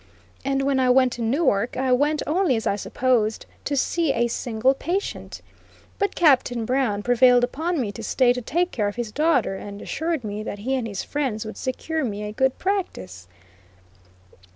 And when I went to Newark, I went only as I supposed, to see a single patient; but Captain Brown prevailed upon me to stay to take care of his daughter, and assured me that he and his friends would secure me a good practice.